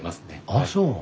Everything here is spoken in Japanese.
あそう。